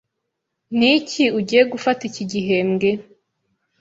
Niki ugiye gufata iki gihembwe?